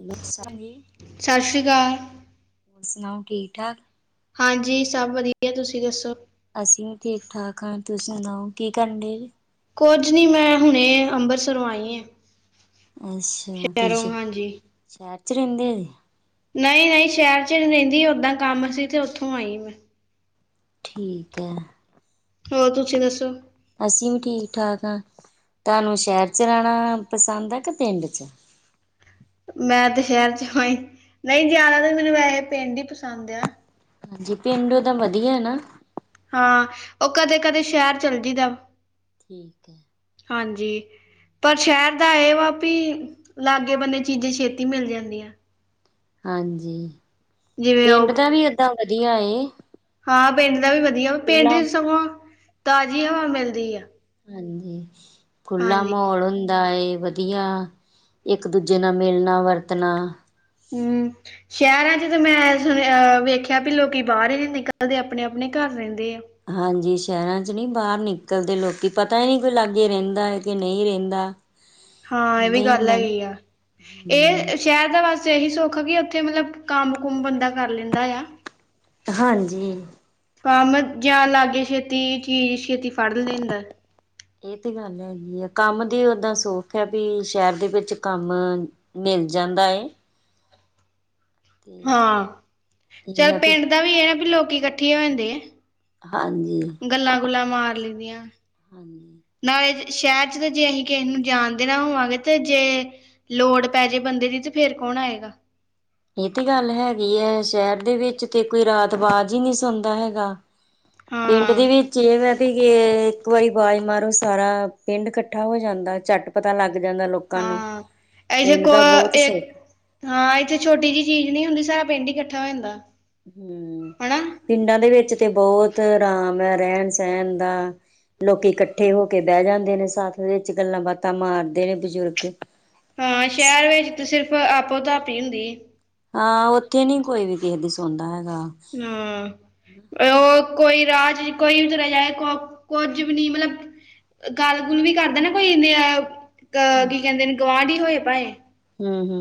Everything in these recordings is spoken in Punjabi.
ਹੈਲੋ [unintelligible] ਸਾਸ਼ੀ ਕਾਲ। ਸਨਾਓ ਠੀਕ ਠਾਕ ਹਾਂਜੀ ਸਭ ਵਦੀਆ, ਤੁਸੀ ਦਸੋ ਅਸੀ ਵੀ ਠੀਕ ਠਾਕ ਆਂ, ਤੁ ਸਨਾਓ ਕੀ ਕਰਨ ਡੇ ਜੇ ਕੋਝ ਨੀ ਮੈਂ ਹੁਣੇ ਅੰਮਬਸਰੋਂ ਆਈ ਆਂ, ਸ਼ੈਰੋਂ ਹਾਂਜੀ ਸ਼ੈਰ ਚ ਰੈਂਦੇ‌ ਐ। ਨਈ, ਨਈ ਸ਼ੈਰ ਚ ਨ ਰੇਂਦੀ, ਓਦਾਂ ਕੰਮ ਸੀ ਤੇ ਓਥੋਂ ਆਈ ਮੈਂ ਠੀਕ ਐ। ਹਾਂ, ਤੂਸੀ ਦਸੋ ਅਸੀ ਵੀ ਠੀਕ ਠਾਕ ਆਂ, ਤੋਆਨੂੰ ਸ਼ੈਰ ਚ ਰੈਣਾ ਪਸੰਦ ਆ ਕੇ ਪੇੰਡ ਚ ਮੈਂ ਤੇ ਸ਼ੈਰ ਚ ਆਈ, ਨਈ ਜਾਣਾ ਤੇ ਮੈਨੂੰ ਵੈਸੇ ਪਿੰਡ ਈ ਪਸੰਦ ਆ। ਹਾਂਜੀ, ਪੇਂਡੂ ਤਾ ਵਦੀਆ ਨਾ ਹਾਂ, ਓ ਕਦੇ, ਕਦੇ ਸ਼ੈਰ ਚੱਲ ਜੀਦਾ ਠੀਕ ਐ। ਹਾਂਜੀ। ਪਰ ਸ਼ੈਰ ਦਾ ਏ ਵਾ ਵੀ ਲਾਗੇ ਬੰਨੇ ਚੀਜ਼ਾਂ ਛੇਤੀ ਮਿਲ ਜਾਂਦੀਆਂ। ਹਾਂਜੀ, ਜਿਵੇਂ ਉਹ ਪੇਂਡ ਦਾ ਵੀ ਏਦਾਂ ਵਦੀਆ ਏ। ਹਾਂ ਪੇਂਡ ਦਾ ਵੀ ਵਦੀਆ, ਪੇਂਡ ਖੁੱਲਾ ਚ ਸਗੋਂ ਤਾਜ਼ੀ ਹਵਾ ਮੇਲਦੀ ਆ। ਹਾਂਜੀ, ਖੁੱਲਾ ਹਾਂਜੀ ਮੋਲ ਹੁੰਦਾ ਏ। ਵਦੀਆ, ਏਕ ਦੂਜੇ ਨਾਲ ਮਿਲਨਾ ਵਰਤਨਾ [inaudible] ਸ਼ੈਰਾਂ ਚ ਤਾਂ ਮੈਂ ਸੁਣੇਆ ਵੇਖਿਆ ਬੀ ਲੋਕੀ ਬਾਰ ਹੀ ਨੀ ਨਿਕਲਦੇ ਆਪਨੇ, ਆਪਨੇ ਘਰ ਰੈਂਦੇ ਐ। ਹਾਂਜੀ, ਸ਼ੈਰਾਂ ਚ ਨੀ ਬਾਰ ਨਿਕਲਦੇ ਲੋਕੀ, ਪਤਾ ਈ ਨੀ ਕੋਈ ਲਾਗੇ ਰੇਂਦਾ ਐ ਕ ਨਈ ਰੈਂਦਾ। ਹਾਂ ਇਹ ਵੀ ਗੱਲ ਹੈਗੀ ਆ, ਹਮ ਇਹ ਸ਼ਹਿਰ ਦਾ ਵਸ ਬ ਇਹੀ ਸੁੱਖ ਕਿ, ਉੱਥੇ ਮਤਲਬ ਕੰਮ ਕੁਮ ਬੰਦਾ ਕਰ ਲੈਂਦਾ ਆ। ਹਾਂਜੀ, ਕੰਮ ਜਾਂ ਲਾਗੇ ਛੇਤੀ ਚੀ ਛੇਤੀ ਫੜ ਲੇਂਦਾ ਏਹ ਤੇ ਗੱਲ ਹੈਗੀ ਐਂ, ਕੰਮ ਦੀ ਓਦਾਂ ਸੌਖ ਐ ਵੀ ਸ਼ੈਰ ਦੇ ਵੇਚ ਕੰਮ ਮੇਲ ਜਾਂਦਾ ਏ ਤੇ ਹਾਂ, ਚੱਲ ਪੇਂਡ ਦਾ ਵੀ ਏ ਆ ਵੀ ਲੋਕੀ ਕੱਠੇ ਹੋ ਜਾਂਦੇ ਆ। ਹਾਂਜੀ। ਗੱਲਾਂ, ਗੁੱਲਾਂ ਮਾਰ ਲਈਦੀਆਂ। ਹਾਂਜੀ। ਨਾਲੇ ਸ਼ੈਰ ਚ ਤੇ ਜੇ ਅਹੀ ਕੇਹੇ ਨੂੰ ਜਾਨਦੇ ਨਾ ਹੋਵਾਂਗੇ ਤੇ ਜੇ ਲੋੜ ਪੈ ਜੇ ਬੰਦੇ ਦੀ ਤੇ ਫੇਰ ਕੋਣ ਆਏਗਾ। ਇਹ ਤੇ ਗੱਲ ਹੈਗੀ ਹੈ, ਸ਼ਹਿਰ ਦੇ ਵਿੱਚ ਤੇ ਕੋਈ ਰਾਤ ਬਾਜ਼ ਹੀ ਨਹੀਂ ਸੁਣਦਾ ਹੈਗਾ। ਪਿੰਡ ਹਾਂ ਦੇ ਵਿੱਚ ਇਹ ਵੈ, ਇੱਕ ਵਾਰੀ ਆਵਾਜ਼ ਮਾਰੋ ਸਾਰਾ ਪਿੰਡ ਇਕੱਠਾ ਹੋ ਜਾਂਦਾ, ਝੱਟ ਪਤਾ ਲੱਗ ਜਾਂਦਾ ਲੋਕ ਲੋਕਾਂ ਨੂੰ ਹਾਂ ਐੇ ਪਿੰਡ ਕੋ ਦਾ ਬਹੁਤ ਇੱਕ ਸੌਖਾ, ਹਾਂ ਇੱਥੇ ਛੋਟੀ ਜਿਹੀ ਚੀਜ਼ ਨੀ ਹੁੰਦੀ ਸਾਰਾ ਪਿੰਡ ਹੀ ਇਕੱਠਾ ਹੋ ਜਾਂਦਾ। ਹੂੰ, ਹਨਾ ਪਿੰਡਾਂ ਦੇ ਵਿੱਚ ਤੇ ਬਹੁਤ ਆਰਾਮ ਹੈ, ਰਹਿਣ-ਸਹਿਣ ਦਾ। ਲੋਕੀ ਇਕੱਠੇ ਹੋ ਕੇ ਬਹਿ ਜਾਂਦੇ ਨੇ, ਸੱਥ ਵਿੱਚ ਗੱਲਾਂ ਬਾਤਾਂ ਮਾਰਦੇ ਨੇ ਬਜ਼ੁਰਗ ਹਾਂ ਸ਼ਹਿਰ ਵਿੱਚ ਤਾਂ ਸਿਰਫ਼ ਆਪੋ ਧਪ ਹੀ ਹੁੰਦੀ। ਹਾਂ ਉੱਥੇ ਨੀ ਕੋਈ ਵੀ ਕਿਸੇ ਦੀ ਸੁਣਦਾ ਹੈਗਾ। ਹਾਂ, ਉਹ ਕੋਈ ਰਾ ਚ ਕੋਈ ਵੀ ਤੁਰਿਆ ਜਾਏ, ਕੁੱਝ ਵੀ ਨੀ ਮਤਲਬ, ਗੱਲ ਗੁਲ ਵੀ ਕਰਦਾ ਨਾ ਕੋਈ, ਦੇ ਅਹ ਕੀ ਕਹਿੰਦੇ ਨੇ ਗਵਾਢ ਹੀ ਹੋਏ ਭਾਏਂ। ਹੂੰ-ਹੂੰ,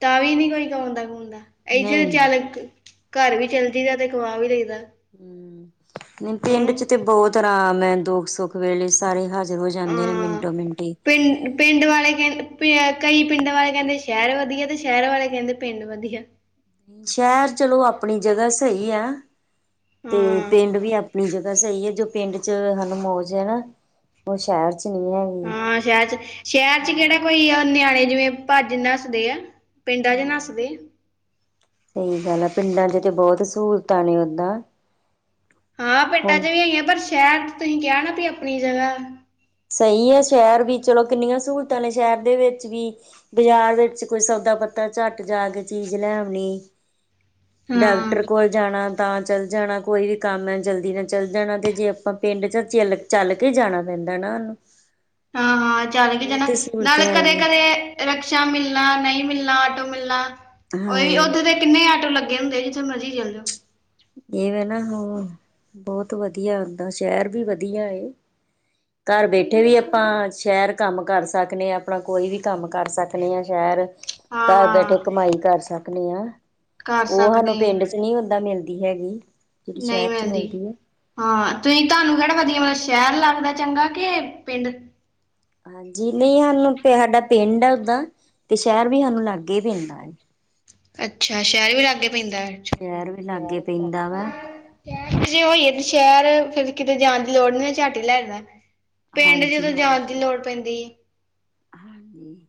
ਤਾਂ ਵੀ ਨੋ ਕੋਈ ਕਾਉਂਦਾ-ਕਾਉਂਦਾ ਇਥੇ ਨਹੀਂ ਚਾਲਕ, ਘਰ ਵੀ ਚੱਲਦੀ ਹੈ, ਤੇ ਕਮਾ ਵੀ ਲਗਦਾ। ਹੂੰ ਨਹੀਂ ਪਿੰਡ ਚ ਤੇ ਬਹੁਤ ਆਰਾਮ ਹੈ, ਦੁੱਖ-ਸੁੱਖ ਵੇਲੇ ਸਾਰੇ ਹਰ ਉਹ ਜਾਂਦੇ ਨੇ ਹਾਂ ਮਿੰਟੋ-ਮਿੰਟ ਹੀ, ਪਿੰਡ ਪਿੰਡ ਵਾਲੇ ਕਹਿੰਦੇ, ਪ ਕਈ ਪਿੰਡਾਂ ਵਾਲੇ ਕਹਿੰਦੇ ਸ਼ਹਿਰ ਵਧੀਆ ਤੇ ਸ਼ਹਿਰ ਵਾਲੇ ਕਹਿੰਦੇ ਪਿੰਡ ਵਧੀਆ। ਸ਼ਹਿਰ ਚਲੋ, ਆਪਣੀ ਜਗ੍ਹਾ ਸਹੀ ਹੈ। ਤੇ ਹਾਂ ਪਿੰਡ ਵੀ ਆਪਣੀ ਜਗ੍ਹਾ ਸਹੀ ਹੈ, ਜੋ ਪਿੰਡ ਚ ਸਾਨੂੰ ਮੌਜ ਹੈ। ਉਹ ਸ਼ਹਿਰ 'ਚ ਨਹੀਂ ਹੈਗੀ। ਹਾਂ ਸ਼ਹਿਰ ਚ ਸ਼ਹਿਰ ਚ ਕਿਹੜਾ ਭਈ ਨਿਆਣੇ ਜਿਵੇਂ, ਭੱਜ ਨੱਸਦੇ ਆ। ਪਿੰਡਾਂ ਚ ਨੱਸਦੇ ਆ। ਸਹੀ ਗੱਲ ਆ, ਪਿੰਡਾਂ ਚ ਤੇ ਬਹੁਤ ਸਹੂਲਤਾਂ ਨੇ ਓਦਾਂ, ਹਾਂ ਪਿੰਡਾਂ ਚ ਹੁਣ ਵੀ ਹੈਗੀਆਂ, ਪਰ ਸ਼ਹਿਰ ਤੁਸੀਂ ਕਿਹਾ ਨਾ ਆਪਣੀ ਜਗ੍ਹਾ। ਸਹੀ ਹੈ, ਸ਼ਹਿਰ ਵੀ ਚਲੋ ਕਿੰਨੀਆਂ ਸਹੂਲਤਾਂ ਨੇ ਸ਼ਹਿਰ ਦੇ ਵਿੱਚ ਵੀ ਬਾਜ਼ਾਰ ਵਿੱਚ ਕੋਈ ਸੌਦਾ ਪੱਤਾ ਝੱਟ ਜਾ ਕੇ ਚੀਜ਼ ਲੈ ਆਉਣੀ। ਹਾਂ, ਟਾਕਟਰ ਕੋਲ ਜਾਣਾ, ਤਾਂ ਚੱਲ ਜਾਣਾ ਕੋਈ ਵੀ ਕੰਮ ਹੈ, ਜਲਦੀ ਨਾਲ ਚੱਲ ਜਾਣਾ ਅਤੇ ਜੇ ਆਪਾਂ ਪਿੰਡ ਚੱਲੇ। ਚੱਲ ਕੇ ਜਾਣਾ ਪੈਂਦਾ ਨਾ ਉਹਨੂੰ ਹਾਂ-ਹਾਂ, ਚੱਲ ਕੇ ਇਹ ਜਾਣਾ ਤੇ ਸਹੂਲਤ ਨਾਲੇ ਕਦੇ ਹੈਗੀ ਕਦੇ। ਰਿਕਸ਼ਾ ਮਿਲਣਾ, ਨਹੀਂ ਮਿਲਣਾ, ਆਟੋ ਮਿਲਣਾ, ਉਹ ਵੀ ਹਾਂ ਉੱਦੋਂ ਦੇ। ਕਿੰਨੇ ਆਟੋ ਲੱਗੇ ਹੁੰਦੇ, ਜਿੱਥੇ ਮਰਜ਼ੀ ਚੱਲ ਜਾਓ। ਇਵੇ ਨਾ, ਹਾਂ ਬਹੁਤ ਵਧੀਆ ਹੂੰਦਾ, ਸ਼ਹਿਰ ਵੀ ਵਧੀਆ। ਘਰ ਬੈਠੇ ਵੀ ਆਪਾਂ ਸ਼ਹਿਰ ਕੰਮ ਕਰ ਸਕਦੇ ਹਾਂ, ਆਪਣਾ ਕੋਈ ਵੀ ਕੰਮ ਕਰ ਸਕ। ਪੱਖਲੀਆਂ, ਸ਼ਹਿਰ। ਹਾਂ ਘਰ ਬੈਠੇ ਹਾਂ ਕਮਾਈ ਕਰ ਸਕਦੇ ਹਾਂ, ਕਰ ਉਹ ਸਾਨੂੰ ਸਕਦੇ ਆ ਪਿੰਡ 'ਚ ਨਹੀਂ, ਓਦਾਂ ਮਿਲਦਾ। ਹੈਗੀ। ਨਹੀਂ ਮਿਲਦੀ। ਆ ਹਾਂ, ਤੁਸੀਂ ਤੁਹਾਨੂੰ ਕਿਹੜਾ ਵਧੀਆ ਲਗਦਾ? ਮਤਲਬ ਸ਼ਹਿਰ ਚੰਗਾ ਕਿ ਪਿੰਡ। ਹਾਂਜੀ ਨਹੀਂ, ਸਾਨੂੰ ਸਾਡਾ ਪਿੰਡ ਹੈ, ਓਦਾਂ ਤੇ ਸ਼ਹਿਰ ਵੀ ਸਾਨੂੰ ਲਾਗੇ ਹੀ ਪੈਂਦਾ ਹੈ। ਅੱਛਾ, ਸ਼ਹਿਰ ਵੀ ਲਾਗੇ ਪੈਂਦਾ ਅੱਛਾ ਸ਼ਹਿਰ ਵੀ ਲਾਗੇ ਪੈਂਦਾ ਵਾ ਸ਼ਹਿਰ 'ਚ ਜੇ ਹੋਈ ਹੈ, ਤੇ ਸ਼ਹਿਰ ਫੇਰ ਕਿਤੇ ਜਾਣ ਦੀ ਲੋੜ ਨੀ ਝਾਟੀ ਹੀ ਲੈਣ ਦਾ। ਪਿੰਡ ਜਦੋਂ ਜਾਂਚ ਦੀ ਲੋੜ ਪੈਂਦੀ ਹੈ। ਹਾਂਜੀ-ਹਾਂਜੀ।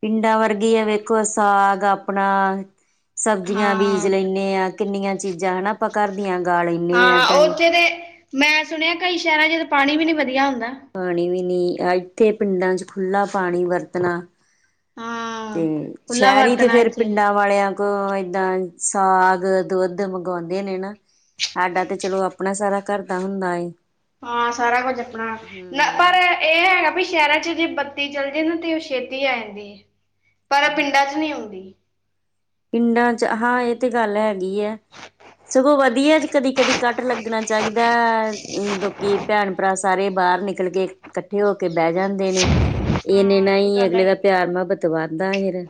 ਪਿੰਡਾਂ ਵਰਗੀ ਆ ਵੇਖੋ, ਸਾਗ ਆਪਣਾ ਸਬਜ਼ੀਆਂ ਬੀਜ ਹਾਂ ਲੈਂਦੇ ਹਾਂ, ਕਿੰਨੀਆਂ ਚੀਜ਼ਾਂ ਹਨਾ, ਆਪਾਂ ਘਰ ਦੀਆਂ ਗਾ ਲੈਂਦੇ ਹਾਂ ਤਣੀ ਉੱਥੇ ਤੇ ਮੈਂ ਸੁਣਿਆ ਕਈ ਸ਼ਹਿਰਾਂ ਚ ਤਾਂ ਪਾਣੀ ਵੀ ਨੀ ਵਧੀਆ ਹੁੰਦਾ। ਪਾਣੀ ਵੀ ਨਹੀਂ ਇੱਥੇ ਪਿੰਡਾਂ ਚ ਖੁੱਲ੍ਹਾ ਪਾਣੀ ਵਰਤਣਾ, ਤੇ ਹਾਂ ਖੁੱਲਾ ਸ਼ਹਿਰੀ ਤੇ ਵਰਤਣਾ ਫੇਰ ਇੱਥੇ ਪਿੰਡਾਂ ਵਾਲਿਆਂ ਕੋਲ ਏਦਾਂ ਸਾਗ ਦੁੱਧ ਤੇ ਮੰਗਵਾਂਦੇ ਨੇ ਨਾ, ਸਾਡਾ ਤੇ ਚਲੋ ਆਪਨਾ ਸਾਰਾ ਘਰ ਦਾ ਹੁੰਦਾ ਏ। ਹਾ ਸਾਰਾ ਕੁੱਝ ਆਪਣਾ। ਨਾ ਪਰ। ਹਮ ਇਹ ਹੈਗਾ ਬੀ ਸ਼ੇਰਾਂ ਚ ਜੇ ਬੱਤੀ ਚੱਲ ਜੇ ਨਾ ਤੇ ਉਹ ਛੇਤੀ ਆ ਜਾਂਦੀ। ਪਰ ਪਿੰਡਾਂ ਚ ਨਈ ਆਉਂਦੀ। ਪਿੰਡਾਂ ਚ ਹਾ ਇਹ ਤੇ ਗੱਲ ਹੈਗੀ ਐ। ਸਗੋਂ ਵਧੀਆ ਜੇ ਕਦੀ-ਕਦੀ ਕੱਟ ਲੱਗਣਾ ਚਾਹੀਦਾ। ਗੋਕੀ ਭੈਣ ਭਰਾ ਸਾਰੇ ਬਾਰ ਨਿਕਲ ਕੇ ਕੱਠੇ ਹੋ ਕੇ ਬੇਹ ਜਾਂਦੇ ਨੇ। ਇਨੇ ਹਾਂ ਨਾ ਇਹ ਵੀ ਈ ਗੱਲ ਅਗਲੇ ਦਾ ਪਿਆਰ-ਮੁਹਬਤ ਵਧਦਾ ਫਿਰ।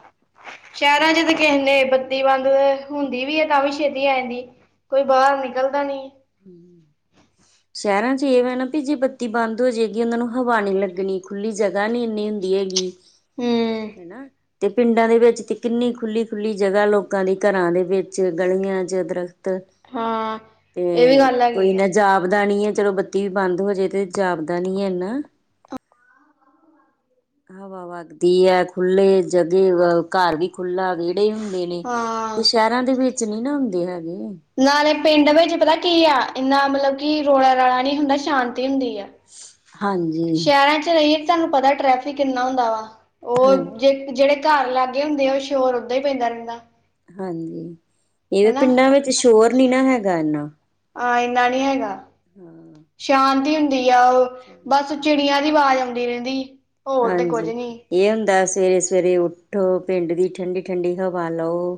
ਸ਼ੈਰਾਂ ਚ ਤੇ ਕੇਹੰਦੇ ਬੱਤੀ ਬੰਦ ਹੁੰਦੀ ਵੀ ਐ ਤਾ ਵੀ ਛੇਤੀ ਆ ਜਾਂਦੀ। ਕੋਈ ਬਾਰ ਨਿਕਲਦਾ ਨੀ। ਹੁੰ। ਸ਼ੈਰਾਂ ਚ ਇਹ ਵ ਨਾ ਬੀ ਜੇ ਬੱਤੀ ਬੰਦ ਹੋ ਜੇਗੀ ਉਹਨਾਂ ਨੂੰ ਹਵਾ ਨੀ ਲੱਗਨੀ। ਖੁੱਲ੍ਹੀ ਜਗ੍ਹਾ ਨੀ ਇੰਨੀ ਹੁੰਦੀ ਹੈਗੀ। ਹੂੰ ਹੇਨਾ। ਤੇ ਪਿੰਡਾਂ ਦੇ ਵਿੱਚ ਤੇ ਕਿੰਨੀ ਖੁੱਲੀ-ਖੁੱਲੀ ਜਗਾ ਲੋਕਾਂ ਦੀ ਘਰਾਂ ਦੇ ਵਿੱਚ ਗਲੀਆਂ ਚ ਦਰਖਤ ਹਾਂ। ਇਹ ਵੀ ਤੇ ਗੱਲ ਕੋਈ ਹੈਗੀ ਆ ਏਨਾ ਜਾਪਦਾ ਨੀ ਐ ਚਲੋ ਬੱਤੀ ਵੀ ਬੰਦ ਹੋ ਜੇ ਤੇ ਜਾਪਦਾ ਨੀ ਏਨਾ। ਹਵਾ ਵੱਗਦੀ ਐ। ਖੁੱਲੇ ਜਗ਼੍ਹੇ ਵ ਘਰ ਵੀ ਖੁਾਲਾ ਵੇ ੜੇ ਹੁੰਦੇ ਨੇ। ਹਾਂ। ਤੇ ਸ਼ੈਰਾਂ ਦੇ ਵਿੱਚ ਨੀ ਨਾ ਹੁੰਦੇ ਹੈਗੇ। ਨਾਲੇ ਪਿੰਡ ਵਿੱਚ ਪਤਾ ਕੀ ਆ, ਇੰਨਾ ਮਤਲਬ ਕਿ ਰੌਲਾ ਰਾਲਾ ਨੀ ਹੁੰਦਾ। ਸ਼ਾਂਤੀ ਹੁੰਦੀ ਆ। ਹਾਂਜੀ ਸ਼ੈਰਾਂ ਚ ਰਹੀਏ, ਤੁਹਾਨੂੰ ਪਤਾ ਟ੍ਰੈਫਿਕ ਕਿੰਨਾ ਹੁੰਦਾ ਵਾ। ਹਾਂ ਉਹ ਜੇ ਜਿਹੜੇ ਘਰ ਲਾਗੇ ਹੁੰਦੇ ਆ ਉਹ ਸ਼ੋਰ ਓਦਾਂ ਹੀ ਪੈਂਦਾ ਰਹਿੰਦਾ। ਹਾਂਜੀ, ਇਹਦੇ ਹਨਾ। ਪਿੰਡਾਂ ਵਿੱਚ ਸ਼ੋਰ ਨੀ ਨਾ ਹੈਗਾ ਏਨਾ। ਆਂ ਇੰਨਾ ਨੀ ਹੈਗਾ। ਸ਼ਾਂਤੀ ਹੁੰਦੀ ਆ ਉਹ। ਬਸ ਚਿੜੀਆਂ ਦੀ ਵਾਜ਼ ਆਉਂਦੀ ਰਹਿੰਦੀ। ਹੋਰ ਤੇ ਕੁੱਝ ਹਾਂਜੀ। ਨੀ ਏਹ ਹੁੰਦਾ ਸਵੇਰੇ-ਸਵੇਰੇ ਉਠੋ, ਪਿੰਡ ਦੀ ਠੰਡੀ-ਠੰਡੀ ਹਵਾ ਲਓ।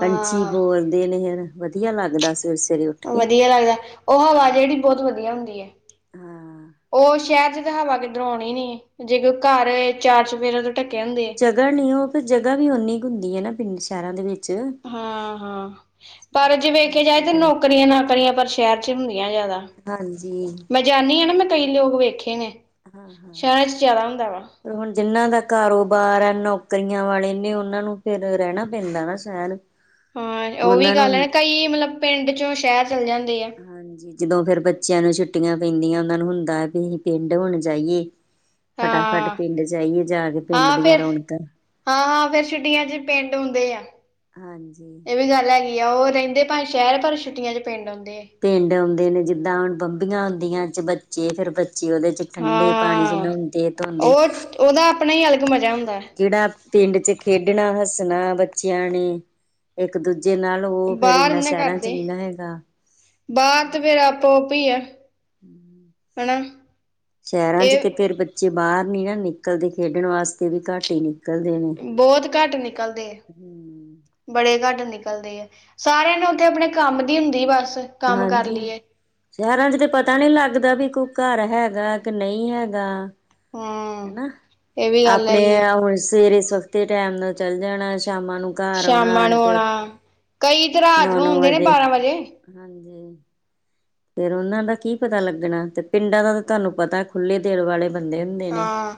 ਪੰਛੀ ਬੋਲਦੇ ਨੇ ਹੇਨਾ ਵਧੀਆ ਲੱਗਦਾ ਸਵੇਰੇ-ਸਵੇਰੇ। ਵਧੀਆ ਲੱਗਦਾ। ਉਹ ਹਵਾ ਜਿਹੜੀ ਬੋਤ ਵਧੀਆ ਹੁੰਦੀ ਐ। ਹਾਂ। ਉਹ ਸ਼ੈਰ ਚ ਤੇ ਹਵਾ ਕਿੱਧਰੋ ਆਉਣੀ ਨੀ। ਜੇਗ ਘਰ ਏਹ ਚਾਰ ਚਪੇਰਾਂ ਤੋਂ ਢੱਕੇ ਹੁੰਦੇ। ਜਗ੍ਹਾ ਨੀ ਉਹ ਫੇਰ ਜਗ੍ਹਾ ਵੀ ਉਨੀ ਕੁ ਹੁੰਦੀ ਐ ਨਾ ਪਿੰਡ ਸ਼ੈਰਾਂ ਦੇ ਵਿੱਚ ਹਾਂ-ਹਾਂ। ਪਰ ਜੇ ਵੇਖਿਆ ਜਾਏ ਕਰਕੇ ਤਾਂ ਫਿਰ ਨੌਕਰੀਆਂ ਨਾਕਰੀਆਂ ਪਰ ਸ਼ੈਰ ਚ ਹੁੰਦੀਆਂ ਜ਼ਾਦਾ। ਹਾਂਜੀ। ਮੈਂ ਜਾਂਨੀ ਆਂ ਨਾ, ਮੈਂ ਕਈ ਲੋਕ ਵੇਖੇ ਨੇ। ਹਾਂ-ਹਾਂ। ਸ਼ਹਿਰਾਂ ਚ ਜ਼ਿਆਦਾ ਹੁੰਦਾ ਵਾ ਪਰ ਹੁਣ ਜਿਹਨਾਂ ਦਾ ਕਾਰੋਬਾਰ ਹੈ, ਨੌਕਰੀਆਂ ਵਾਲੇ ਨੇ, ਉਹਨਾਂ ਨੂੰ ਫਿਰ ਰਹਿਣਾ ਪੈਂਦਾ ਨਾ ਸ਼ਹਿਰ। ਹਾਂ, ਉਹ ਵੀ ਉਹਨਾਂ ਨੂੰ ਗੱਲ ਹੈ ਨਾ ਕਈ ਮਤਲਬ ਪਿੰਡ ਚੋਂ ਸ਼ਹਿਰ ਚੱਲ ਜਾਂਦੇ ਆ। ਹਾਂਜੀ। ਜਦੋਂ ਫਿਰ ਬੱਚਿਆਂ ਨੂੰ ਛੁੱਟੀਆਂ ਪੈਂਦੀਆਂ, ਉਹਨਾਂ ਨੂੰ ਹੁੰਦਾ ਵੀ ਅਸੀਂ ਪਿੰਡ ਹੁਣ ਜਾਈਏ। ਫਟਾਫਟ ਹਾਂ ਪਿੰਡ ਚ' ਜਾਈਏ ਜਾ ਕੇ ਪਿੰਡ ਦੀਆਂ ਰੌਣਕਾਂ ਹਾਂ- ਹਾਂ ਫੇਰ ਛੁੱਟੀਆਂ ਚ' ਪਿੰਡ ਹੁੰਦੇ ਆ। ਹਾਂਜੀ। ਇਹ ਵੀ ਗੱਲ ਹੈਗੀ ਉਹ ਰਹਿੰਦੇ ਭਾਵੇ ਸ਼ਹਿਰ ਪਰ ਛੁੱਟੀਆ ਚ' ਪਿੰਡ ਆਉਂਦੇ ਆ। ਪਿੰਡ ਆਉਦੇ ਨੇ ਜਿੱਦਾਂ ਹੁਣ ਬੰਬੀਆਂ ਹੁੰਦੀਆਂ 'ਚ ਬੱਚੇ, ਫੇਰ ਬੱਚੇ ਉਹਦੇ ਚ' ਠੰਡੇ ਪਾਣੀ ਚ' ਹਾਂ। ਨੌਦੇ- ਧੋਂਦੇ। ਉਹ ਉਹਦਾ ਆਪਣਾ ਹੀ ਅਲੱਗ ਮਜ਼ਾ ਹੁੰਦਾ। ਕਿਹੜਾ ਪਿੰਡ ਚ' ਖੇਡਣਾ, ਹੱਸਣਾ ਬੱਚਿਆਂ ਨੇ ਇੱਕ ਦੂਜੇ ਨਾਲ ਉਹ ਫੇਰ ਬਾਹਰ ਇਨਾ ਸ਼ੈਰਾਂ ਚ ਨਈ ਨਾ ਹੈਗਾ। ਬਾਰ ਤੇ ਫੇਰ ਆਪੋ ਆਪ ਈ ਆ। ਹੁੰ। ਹੇਨਾ। ਸ਼ੈਰਾਂ ਚ ਤੇ ਫੇਰ ਬੱਚੇ ਬਾਰ ਨੀ ਨਾ ਨਿਕਲਦੇ ਖੇਡਣ ਵਾਸਤੇ ਵੀ ਘੱਟ ਈ ਨਿਕ ਬੋਤ ਘੱਟ ਨਿਕਲਦੇ ਆ। ਹੂੰ ਬੜੇ ਘੱਟ ਨਿਕਲਦੇ ਆ, ਸਾਰਿਆਂ ਨੂੰ ਉੱਥੇ ਆਪਨੇ ਕੰਮ ਦੀ ਹੁੰਦੀ ਬਸ। ਕੰਮ ਕਰ ਹਾਂਜੀ। ਲਈਏ। ਸ਼ਹਿਰਾਂ ਚ' ਤੇ ਪਤਾ ਨੀ ਲੱਗਦਾ ਵੀ ਕੋਈ ਘਰ ਹੈਗਾ ਕਿ ਨਹੀਂ ਹੈਗਾ। ਹੂੰ ਹਨਾ। ਇਹ ਵੀ ਗੱਲ ਆਪਣੇ ਹੈਗੀ ਆ ਹੁਣ ਸਵੇਰੇ ਸਵਖਤੀ ਟੈਮ ਦਾ ਚੱਲ ਜਾਣਾ। ਸ਼ਾਮਾਂ ਨੂੰ ਘਰ ਆਉਣਾ ਸ਼ਾਮਾਂ ਆਣ ਨੂੰ ਕੇ, ਆਉਣਾ। ਕਈ ਤੇ ਰਾਤ ਨੌ- ਨੂੰ ਨੌ ਹੁੰਦੇ ਨੇ ਵਜੇ। ਬਾਰਾਂ ਵਜੇ। ਹਾਂਜੀ। ਫਿਰ ਉਹਨਾਂ ਦਾ ਕੀ ਪਤਾ ਲੱਗਣਾ, ਤੇ ਪਿੰਡਾਂ ਦਾ ਤਾਂ ਤੁਹਾਨੂੰ ਪਤਾ ਖੁੱਲੇ ਦਿਲ ਵਾਲੇ ਬੰਦੇ ਹੁੰਦੇ ਨੇ। ਹਾਂ।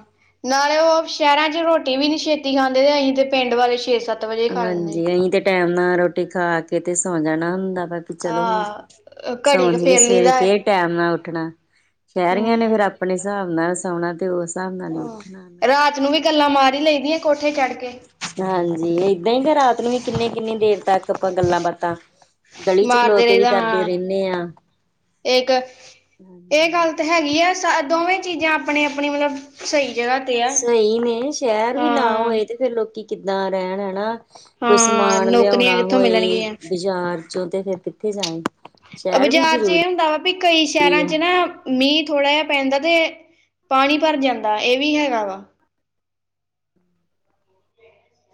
ਨਾਲੇ ਉਹ ਸ਼ਹਿਰਾਂ ਚ' ਰੋਟੀ ਵੀ ਨੀ ਛੇਤੀ ਖਾਂਦੇ ਤੇ ਅਸੀਂ ਤੇ ਪਿੰਡ ਵਾਲੇ ਛੇ- ਸੱਤ ਵਜੇ ਖਾ ਲੈਂਦੇ। ਹਾਂਜੀ। ਅਸੀਂ ਤੇ ਟੈਮ ਨਾਲ ਰੋਟੀ ਖਾ ਕੇ ਤੇ ਸੌ ਜਾਣਾ ਹੁੰਦਾ ਵਾ। ਚਲੋ ਹੁਣ, ਆਹ ਘੜੀ ਸੌ ਕੁ ਜਈਏ ਫੇਰ ਲਈ ਸਵੇਰੇ ਦਾ ਫ ਟੈਮ ਨਾਲ ਉੱਠਣਾ। ਸ਼ਹਿਰੀਆਂ ਨੇ ਹੂੰ ਫੇਰ ਆਪਣੇ ਹਿਸਾਬ ਨਾਲ ਸੌਣਾ ਤੇ ਉਸ ਹਿਸਾਬ ਨਾਲ ਹੀ ਉਠਣਾ। ਹਾਂ। ਰਾਤ ਨੂੰ ਵੀ ਗੱਲਾਂ ਮਾਰੀ ਲਈ ਦੀਆਂ ਕੋਠੇ ਚੜ੍ਹ ਕੇ। ਹਾਂਜੀ ਏਦਾਂ ਈ ਤੇ ਰਾਤ ਨੂੰ ਕਿੰਨੇ ਕਿੰਨੀ ਦੇਰ ਤੱਕ ਆਪਾਂ ਗੱਲਾਂ ਬਾਤਾਂ ਗਲੀ ਚ ਖਲੋ ਮਾਰਦੇ ਕੇ ਵੀ ਰਹੀਦਾ ਕਰਦੇ ਹਾਂ। ਰਹਿੰਨੇ ਆਂ। ਇੱਕ ਇਹ ਗੱਲ ਹੈਗੀ ਐ ਸ ਦੋਵੇਂ ਚੀਜ਼ਾਂ ਆਪਣੇ ਆਪਣੀ ਮਤਲਬ ਸਈ ਜਗ੍ਹਾ ਤੇ ਆ। ਸਹੀ ਨੇ ਸ਼ਹਿਰ ਵੀ ਨਾ ਹਾਂ ਹੋਏ ਤੇ ਫੇਰ ਲੋਕੀ ਕਿੱਦਾਂ ਰਹਿਣ ਹੈਨਾ। ਕੋਈ ਹਾਂ ਸਮਾਨ ਨੌਕਰੀਆਂ ਲਿਆਔਨਾ ਕਿੱਥੋਂ ਹੋਏ ਮਿਲਣਗੀਆਂ। ਬਾਜ਼ਾਰ ਚੋਂ ਤੇ ਫੇਰ ਕਿੱਥੇ ਜਾਏ। ਸ਼ਹਿਰ ਵੀ ਬਾਜ਼ਾਰ ਚ ਏ ਜ਼ਰੂਰੀ ਹੁੰਦਾ ਵਾ ਵੀ ਕਈ ਸ਼ਹਿਰਾਂ ਆ ਚ ਨਾ ਮੀਂਹ ਥੋੜਾ ਜੇਆ ਪੈਂਦਾ ਤੇ ਪਾਨੀ ਭਰ ਜਾਂਦਾ ਏ ਵੀ ਹੈਗਾ ਵਾ।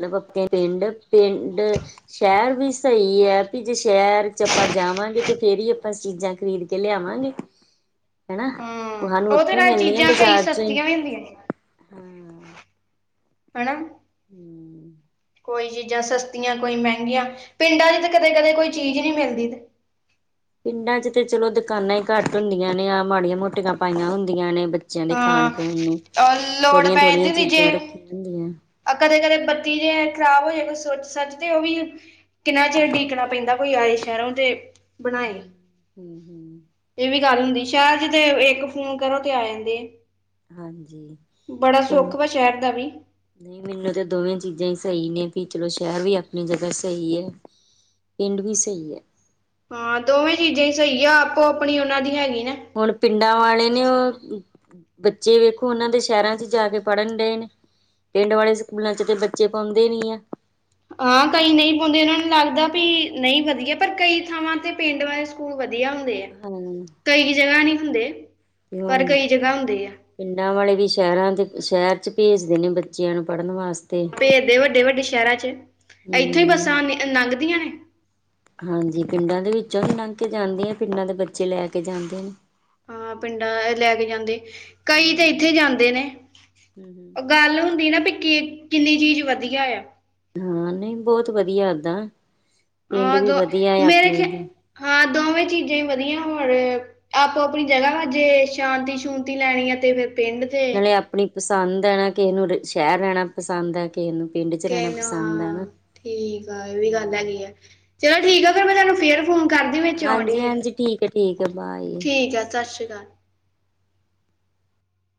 ਮਤਲਬ ਆਪਨੇ ਪਿੰਡ ਪਿੰਡ ਸ਼ਹਿਰ ਵੀ ਸਹੀ ਐ। ਜੇ ਸ਼ਹਿਰ ਚ ਆਪਾਂ ਜਾਵਾਂਗੇ ਤੇ ਫੇਰ ਈ ਆਪਾਂ ਚੀਜ਼ਾਂ ਖ਼ਰੀਦ ਕੇ ਲਿਆਵਾਂਗੇ। ਹਨਾ। ਉਹ ਸਾਨੂੰ ਹੂੰ ਔਧਰ ਉੱਥੇ ਏ ਮਿਲਣੀਆਂ ਚੀਜ਼ਾਂ ਕਈ ਬਾਜ਼ਾਰ ਚੋਂ ਹੀ ਸਸਤੀਆਂ ਵੀ ਹੁੰਦੀਆਂ ਨੇ। ਹਾਂ ਹੈਨਾ। ਹੂੰ। ਕੋਈ ਚੀਜ਼ਾਂ ਸਸਤੀਆਂ, ਕਈ ਮਹਿੰਗੀਆਂ, ਪਿੰਡਾਂ 'ਚ ਤਾਂ ਕਦੇ- ਕਦੇ ਕੋਈ ਚੀਜ਼ ਨਹੀ ਮਿਲਦੀ। ਪਿੰਡਾਂ ਚ ਤੇ ਚਲੋ ਦੁਕਾਨਾਂ ਹੀ ਘੱਟ ਹੁੰਦੀਆਂ ਨੇ ਆ ਮਾੜੀਆਂ ਮੋਟੀਆਂ ਪਾਈਆਂ ਹੁੰਦੀਆਂ ਨੇ। ਬੱਚਿਆਂ ਦੇ ਖਾੜ ਹਾਂ ਖੂਨ ਨੂੰ ਔਰ ਲੋੜ ਥੋੜੀਆਂ ਪੈ ਜਾਂਦੀ ਥੋੜੀਆਂ ਹੁੰਦੀ ਜੇ ਚੀਜ਼ਾਂ ਰੱਖੀਆਂ ਹੁੰਦੀਆਂ। ਕਦੇ -ਕਦੇ ਬੱਤੀ ਜੇ ਖਰਾਬ ਹੋ ਜਾਵੇ, ਸੁਚ ਸੱਚ ਤੇ ਉਹਵੀ। ਕਿੰਨਾ ਚਿਰ ਡੀਕਨਾ ਪੈਂਦਾ ਕੋਈ ਆਏ ਸ਼ਹਿਰੋਂ ਤੇ ਬਣਾਏ ਹੂੰ-ਹੂੰ। ਇਹ ਵੀ ਗੱਲ ਹੁੰਦੀ ਸ਼ਹਿਰ ਚ ਤੇ ਏਕ ਫੋਨ ਕਰੋ ਤੇ ਆ ਜਾਂਦੇ ਅ ਹਾਂਜੀ, ਬੜਾ ਸੋਖ ਵਾ ਸ਼ਹਿਰ ਦਾ ਵੀ ਨਹੀਂ ਮੈਨੂੰ ਤਾਂ ਦੋਵੇਂ ਚੀਜ਼ਾਂ ਹੀ ਸਹੀ ਨੇ ਵੀ ਚਲੋ ਸ਼ਹਿਰ ਵੀ ਆਪਣੀ ਜਗਾ ਸਹੀ ਏਹ ਪਿੰਡ ਵੀ ਸਹੀ ਹੈ ਹਾਂ ਦੋਵੇਂ ਚੀਜ਼ਾਂ ਹੀ ਸਹੀ ਆ ਆਪੋ ਆਪਣੀ ਉਹਨਾਂ ਦੀ ਹੈਗੀ ਨਾ ਹੁਣ ਪਿੰਡਾਂ ਵਾਲੇ ਨੇ ਉਹ ਬੱਚੇ ਵੇਖੋ ਉਹਨਾਂ ਦੇ ਸ਼ਹਿਰਾਂ ਚ ਜਾ ਕੇ ਪੜ੍ਹਨ ਡਏ ਨੇ ਪਿੰਡ ਵਾਲੇ ਸਕੂਲਾਂ ਚ ਤੇ ਬੱਚੇ ਪਾਉਂਦੇ ਨੀ ਹੈ ਹਾਂ ਕਈ ਨਹੀਂ ਪਾਉਂਦੇ ਏਹਨਾਂ ਨੂੰ ਲੱਗਦਾ ਵੀ ਨਹੀਂ ਵਧੀਆ ਪਰ ਕਈ ਥਾਵਾਂ ਤੇ ਪਿੰਡ ਵਾ ਸਕੂਲ ਵਧੀਆ ਹੁੰਦੇ ਏ ਹਾਂ ਕਈ ਜਗਾ ਨਹੀ ਹੁੰਦੇ ਤੇ ਪਰ ਹੁਣ ਕਈ ਜਗਾ ਹੁੰਦੇ ਆ ਪਿੰਡਾਂ ਵਾਲੇ ਵੀ ਸ਼ਹਿਰਾਂ ਦੇ ਸ਼ਹਿਰ ਭੇਜਦੇ ਨੇ ਬੱਚਿਆਂ ਨੂੰ ਪੜਨ ਵਾਸਤੇ ਭੇਜਦੇ ਵੱਡੇ ਵੱਡੇ ਸ਼ਹਿਰਾਂ ਚ ਇੱਥੋਂ ਹੀ ਹੂੰ। ਬੱਸਾਂ ਆਨ ਲੰਘਦੀਆਂ ਨੇ ਹਾਂਜੀ ਪਿੰਡਾਂ ਦੇ ਵਿਚੋਂ ਵੀ ਲੰਘ ਕੇ ਜਾਂਦੀਐਂ ਪਿੰਡਾਂ ਦੇ ਬੱਚੇ ਲੈ ਕੇ ਜਾਂਦੇ ਨੇ ਹਾਂ, ਪਿੰਡਾਂ ਲੈ ਕੇ ਜਾਂਦੇ, ਕਈ ਹੂੰ ਤਾਂ ਇੱਥੇ ਜਾਂਦੇ ਨੇ। ਹੂੰ, ਹੂੰ। ਗੱਲ ਹੁੰਦੀ ਨਾ ਵੀ ਕਿੰਨੀ ਚੀਜ਼ ਵਧੀਆ ਐ। ਹਾਂ ਨਹੀਂ ਬੋੱਤ ਵਧੀਆ ਏਦਾਂ ਪਿੰਡ ਹਾਂ ਵੀ ਦੋ ਵਧੀਆ ਐ ਮੇਰੇ ਖਿਆ ਆਪਨੇ। ਹਾਂ ਦੋਵੇਂ ਚੀਜ਼ਾਂ ਈ ਵਧੀਆ ਔਰ ਆਪੋ ਆਪਨੀ ਜਗ੍ਹਾ ਵਾ, ਜੇ ਸ਼ਾਂਤੀ ਸੂਂਤੀ ਲੈਨੀ ਆ। ਤੇ ਫਿਰ ਪਿੰਡ ਤੇ ਨਾਲੇ ਆਪਨੀ ਪਸੰਦ ਐ ਨਾ ਕਿ ਨੂੰ ਸ਼ਹਿਰ ਰਇਨਾ। ਪਸੰਦ ਐ ਕੇਨੂੰ ਪਿੰਡ ਚ ਰਹਿਣਾ ਤਿੰਨ ਪਸੰਦ ਆ ਨਾ, ਹਾਂ ਠੀਕ ਆ ਇਹ ਵੀ ਗੱਲ ਹੁੰ। ਹੈਗੀ ਆ ਚਲੋ ਠੀਕ ਆ ਫੇਰ ਮੈਂ ਤਾਹਨੂੰ ਫੇਰ ਫੋਨ ਕਾਰਦੀ ਵਿੱਚ ਆਉਣ ਹਾਂਜੀ ਡੀ ਆ ਹਾਂਜੀ ਠੀਕ ਹੈ ਠੀਕ ਹੈ ਬਾਏ। ਠੀਕ ਆ ਸਤਿ ਸ੍ਰੀ ਅਕਾਲ